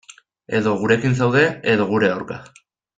Edo gurekin zaude, edo gure aurka.